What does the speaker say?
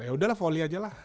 yaudah lah volley aja lah